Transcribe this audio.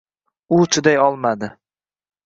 U chiday olmadi